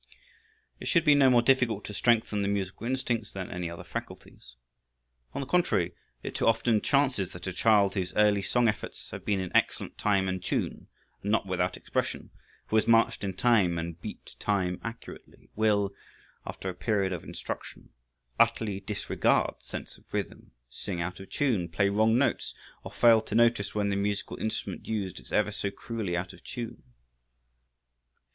It should be no more difficult to strengthen the musical instincts than any other faculties. On the contrary, it too often chances that a child whose early song efforts have been in excellent time and tune, and not without expression, who has marched in time and beat time accurately, will, after a period of instruction, utterly disregard sense of rhythm, sing out of tune, play wrong notes, or fail to notice when the musical instrument used is ever so cruelly out of tune.